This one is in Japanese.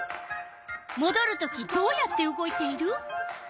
もどるときどうやって動いている？